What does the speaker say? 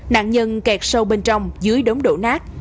nạn nhân kẹt sâu bên trong dưới đống đổ nát